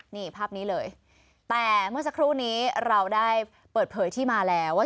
นี่ภาพนี้เลยแต่เมื่อสักครู่นี้เราได้เปิดเผยที่มาแล้วว่า